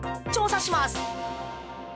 調査します！